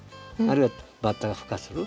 あるいはバッタがふ化する。